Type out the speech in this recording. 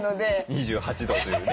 ２８度というね。